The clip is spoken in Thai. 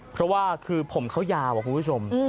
เพราะว่าคือผมเขายาวอะคุณผู้ชม